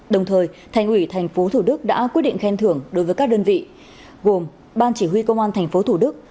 đồng thời thành ủy tp thủ đức đã quyết định khen thưởng đối với các đơn vị gồm ban chỉ huy công an tp thủ đức